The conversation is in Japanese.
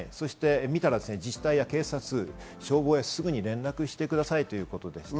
見たら自治体や警察、消防へすぐに連絡してくださいということです。